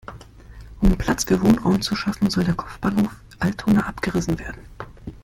Um Platz für Wohnraum zu schaffen, soll der Kopfbahnhof Altona abgerissen werden.